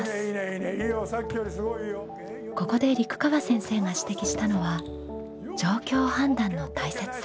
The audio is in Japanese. ここで陸川先生が指摘したのは状況判断の大切さ。